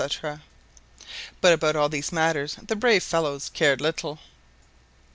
But about all these matters the brave fellows cared little.